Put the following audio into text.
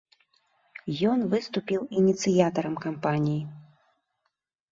Ён выступіў ініцыятарам кампаніі.